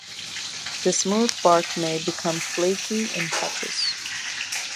The smooth bark may become flaky in patches.